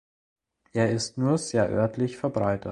Er ist nur sehr örtlich verbreitet.